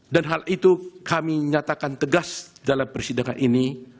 dan hal itu kami nyatakan tegas dalam persidangan ini